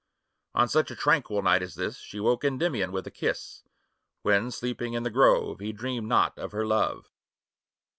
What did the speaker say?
On such a tranquil night as this, io She woke Kndymion with a kis^, When, sleeping in tin grove, He dreamed not of her love.